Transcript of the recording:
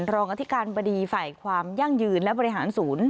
อธิการบดีฝ่ายความยั่งยืนและบริหารศูนย์